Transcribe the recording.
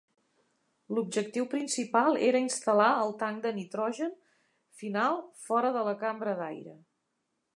L'objectiu principal era instal·lar el tanc de nitrogen final fora de la cambra d'aire.